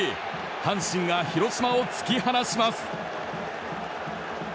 阪神が広島を突き放します。